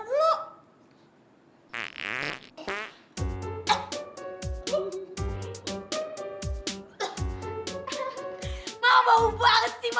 mama bau banget sih